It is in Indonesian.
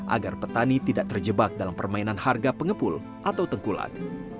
agar petani tidak terjebak dalam permainan harga pengepul atau tengkulan